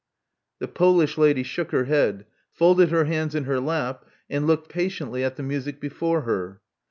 The Polish lady shook her head; folded her hands in her lap ; and looked patiently at the music before her.